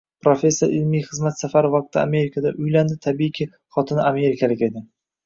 Professor ilmiy xizmat safari vaqtida Amerikada uylandi, tabiiyki, xotini amerikalik edi